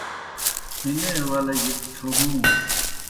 ہنے ولِجیْ ڇھہُوں